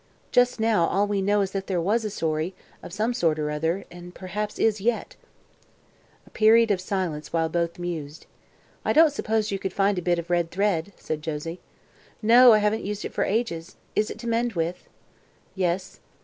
Just now all we know is that there was a story, of some sort or other, and perhaps is yet." A period of silence, while both mused. "I don't suppose you could find a bit of red thread?" said Josie. "No, I haven't used it for ages. Is it to mend with?" "Yes."